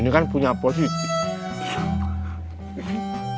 ini kan punya positif